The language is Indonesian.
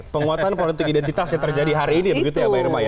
penguatan politik identitas yang terjadi hari ini begitu ya mbak irma ya